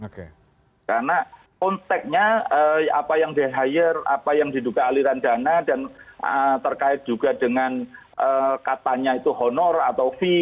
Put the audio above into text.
karena konteknya apa yang di hire apa yang diduga aliran dana dan terkait juga dengan katanya itu honor atau fee